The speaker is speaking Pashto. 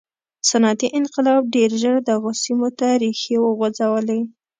صنعتي انقلاب ډېر ژر دغو سیمو ته ریښې وغځولې.